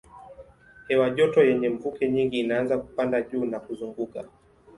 Hewa joto yenye mvuke nyingi inaanza kupanda juu na kuzunguka.